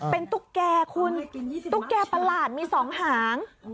เป็นตุ๊กแก่คุณตุ๊กแก่ประหลาดมี๒หาง